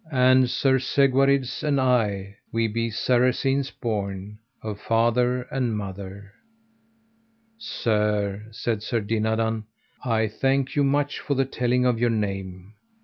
And Sir Segwarides and I, we be Saracens born, of father and mother. Sir, said Sir Dinadan, I thank you much for the telling of your name.